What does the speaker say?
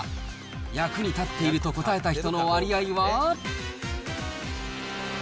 役に立っていると答えた人の割合は？